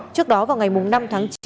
trước đó vào ngày năm tháng chín